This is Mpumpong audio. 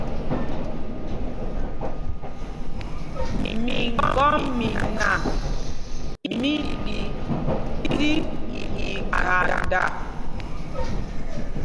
Miŋgɔ́mina mí ɗi tí ikhanda.